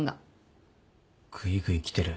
ぐいぐい来てる。